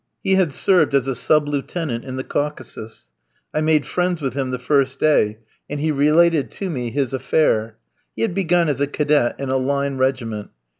He had served as a sub lieutenant in the Caucasus. I made friends with him the first day, and he related to me his "affair." He had begun as a cadet in a Line regiment.